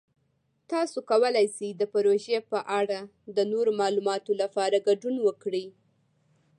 تاسو کولی شئ د پروژې په اړه د نورو معلوماتو لپاره ګډون وکړئ.